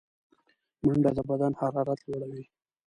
منډه د بدن حرارت لوړوي